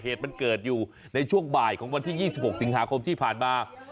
เหตุมันเกิดอยู่ในช่วงบ่ายของวันที่๒๖สิงหาคมที่ผ่านมา